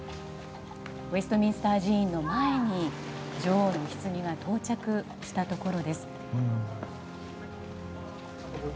ウェストミンスター寺院の前に女王のひつぎが到着したところです。